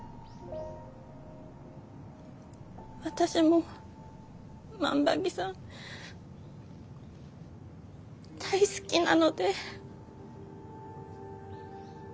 私も万場木さん大好きなので。